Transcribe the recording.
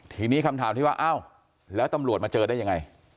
ทีนี้คำถามที่ว่าอ้าวแล้วตำรวจมาเจอได้ยังไง